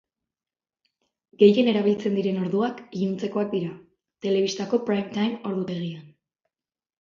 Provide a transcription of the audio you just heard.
Gehien erabiltzen diren orduak iluntzekoak dira, telebistako prime time ordutegian.